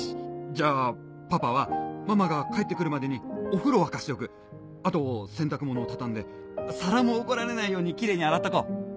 じゃあパパはママが帰って来るまでにお風呂沸かしておくあと洗濯物を畳んで皿も怒られないようにキレイに洗っとこう。